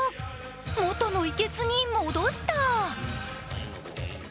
元の生けすに戻した。